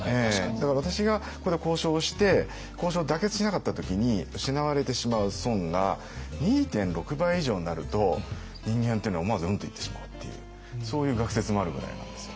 だから私がここで交渉をして交渉が妥結しなかった時に失われてしまう損が２．６倍以上になると人間っていうのは思わず「うん」と言ってしまうっていうそういう学説もあるぐらいなんですよ。